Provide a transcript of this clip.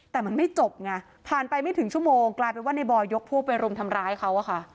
แต่มันไม่จบไงผ่านไปไม่ถึงชั่วโมงกลายเป็นว่าในบอยยกพวกไปรุมทำร้ายเขาอะค่ะ